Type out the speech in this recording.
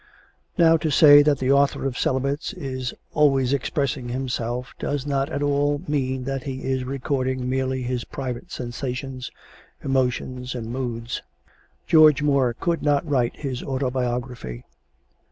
Now to say that the author of "Celibates" is always expressing himself does not at all mean that he is recording merely his private sensations, emotions, and moods. Egoist as he is, George Moore could not write his autobiography.